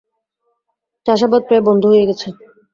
চাষাবাদ প্রায় বন্ধ হয়ে গেছে।